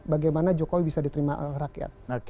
bagaimana jokowi bisa diterima oleh rakyat